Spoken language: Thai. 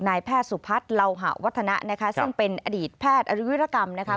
นายแพทย์สุพัฒน์เหล่าหะวัฒนะนะคะซึ่งเป็นอดีตแพทย์อรุวิรกรรมนะคะ